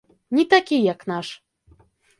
Не такі, як наш.